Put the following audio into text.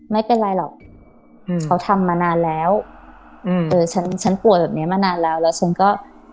ไม่เป็นไรหรอกอืมเขาทำมานานแล้วอืมเออฉันฉันป่วยแบบเนี้ยมานานแล้วแล้วฉันก็